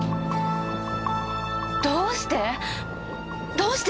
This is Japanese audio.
どうして？